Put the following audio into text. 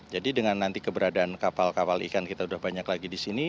jadi dengan nanti keberadaan kapal kapal ikan kita sudah banyak lagi di sini